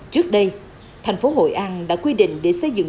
trước đây thành phố hội an đã quy định để xây dựng